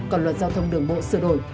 còn luật giao thông đường bộ sửa đổi